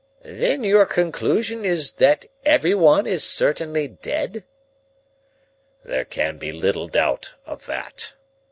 "Then your conclusion is that everyone is certainly dead?" "There can be little doubt of that.